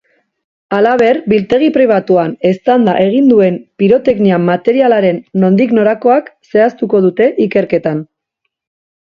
Halaber, biltegi pribatuan eztanda egin duen piroteknia-materialaren nondik norakoak zehaztuko dute ikerketan.